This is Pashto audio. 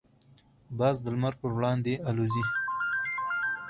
باز د لمر پر وړاندې الوزي.